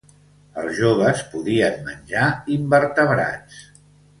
Els joves podien menjar invertebrats.